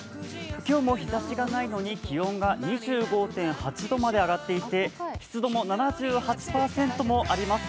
今日も日ざしがないのに気温が２５．８度まで上がっていて湿度も７８％もあります。